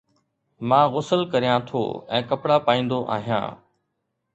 مان غسل ڪريان ٿو ۽ ڪپڙا پائيندو آهيان